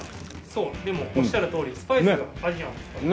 そうでもおっしゃるとおりスパイスがアジアンですから。